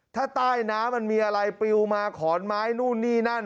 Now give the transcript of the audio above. ถ้าใต้น้ำมันมีอะไรปลิวมาขอนไม้นู่นนี่นั่น